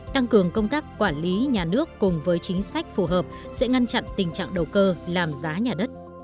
tăng cường công tác quản lý nhà nước cùng với chính sách phù hợp sẽ ngăn chặn tình trạng đầu cơ làm giá nhà đất